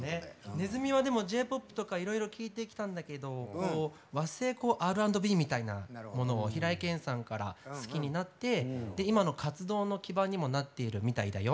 ねずみはでもＪ−ＰＯＰとかいろいろ聴いてきたんだけど和製Ｒ＆Ｂみたいなものを平井堅さんから好きになって今の活動の基盤にもなっているみたいだよ。